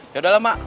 yaudah lah mak